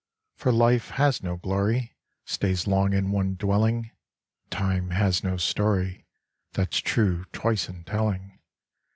For life has no glory Stays long in one dwelling, And time has no story That's true twice in telling.